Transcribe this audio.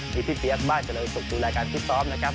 มีพี่เปี๊ยกบ้านเจริญศุกร์ดูแลการฟิตซ้อมนะครับ